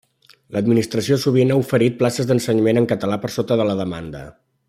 L'administració sovint ha oferit places d'ensenyament en català per sota de la demanda.